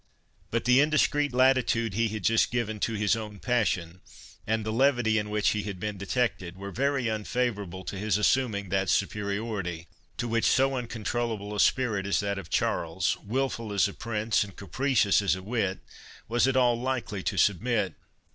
But the indiscreet latitude he had just given to his own passion, and the levity in which he had been detected, were very unfavourable to his assuming that superiority, to which so uncontrollable a spirit as that of Charles, wilful as a prince, and capricious as a wit, was at all likely to submit.